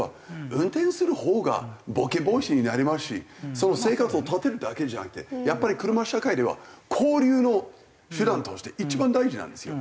運転するほうがボケ防止になりますし生活を立てるだけじゃなくてやっぱり車社会では交流の手段として一番大事なんですよ。